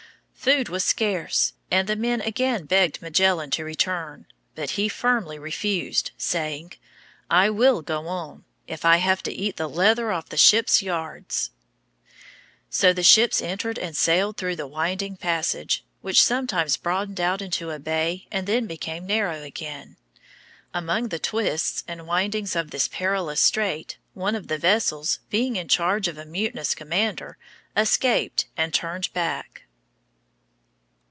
Food was scarce, and the men again begged Magellan to return; but he firmly refused, saying: "I will go on, if I have to eat the leather off the ship's yards." So the ships entered and sailed through the winding passage, which sometimes broadened out into a bay and then became narrow again. Among the twists and windings of this perilous strait, one of the vessels, being in charge of a mutinous commander, escaped and turned back.